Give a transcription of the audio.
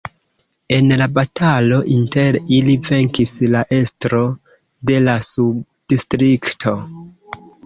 En la batalo inter ili venkis la estro de la subdistrikto.